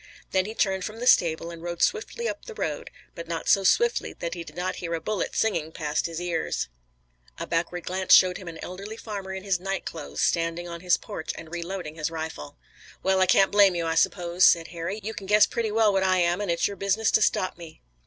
Then he turned from the stable and rode swiftly up the road, but not so swiftly that he did not hear a bullet singing past his ears. A backward glance showed him an elderly farmer in his night clothes standing on his porch and reloading his rifle. "Well, I can't blame you, I suppose," said Harry. "You can guess pretty well what I am, and it's your business to stop me."